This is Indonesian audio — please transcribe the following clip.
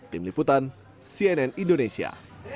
tim liputan cnn indonesia